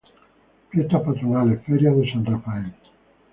Fiesta patronales: ferias de San Rafael.